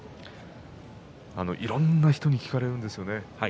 いろんな人に聞かれるんですよね。